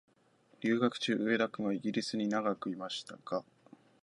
留学中、上田君はイギリスに長くいましたが、